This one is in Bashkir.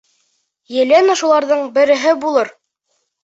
Елена шуларҙың береһе булыр.